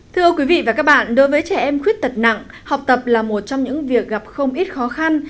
thưa quý vị và các bạn đối với trẻ em khuyết tật nặng học tập là một trong những việc gặp không ít khó khăn